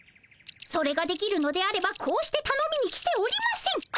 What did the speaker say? それができるのであればこうしてたのみに来ておりません。